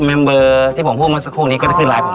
ไลน์ก็เมมเบอร์ที่ผมพูดเมื่อสักครู่นี้ก็จะขึ้นไลน์ผมเลย